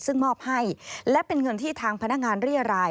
ซึ่งมอบให้และเป็นเงินที่ทางพนักงานเรียราย